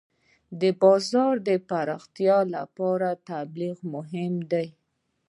د بازار د پراختیا لپاره تبلیغات مهم دي.